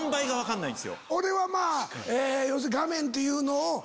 俺は要するに画面っていうのを。